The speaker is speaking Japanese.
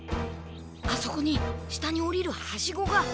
あそこに下におりるハシゴが。